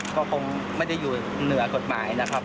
ก็คงไม่ได้อยู่เหนือกฎหมายนะครับ